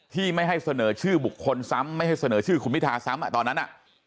ที่ไม่ให้เสนอชื่อบุคคลซ้ำไม่ให้เสนอชื่อคุณพิทาซ้ำตอนนั้น